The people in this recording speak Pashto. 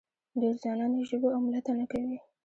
ډېر ځوانان یې ژبو او ملت ته نه کوي.